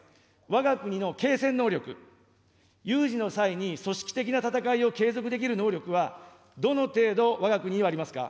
わが国の継戦能力、有事の際に組織的な戦いを継続できる能力は、どの程度、わが国にはありますか。